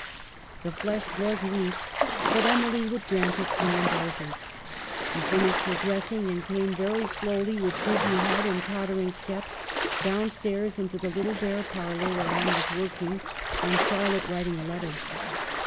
The flesh was weak, but Emily would grant it no indulgence. She finished her dressing, and came very slowly, with dizzy head and tottering steps, down stairs into the little, bare parlor where Anne was working and Charlotte writing a letter.